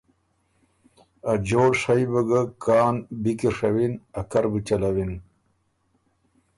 ا جوړ شئ بُو ګۀ کان بی کی ڒوّن، ا کر بُو چَلَوِن۔